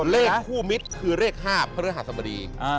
เลขคู่มิตรคือเลขห้ามพระเรือหาสมดี